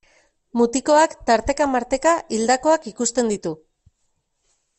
Mutikoak tarteka-marteka hildakoak ikusten ditu.